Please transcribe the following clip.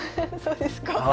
そうですか？